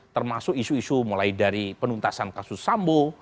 termasuk isu isu mulai dari penuntasan kasus sambo